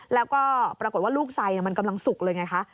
แล้วก็ปรากฏว่าลูกไซมันกำลังสุกเลยไงคะ